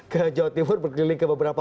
ke jawa timur berkeliling ke beberapa